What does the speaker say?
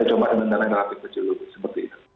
kita coba dengan dana yang tersebut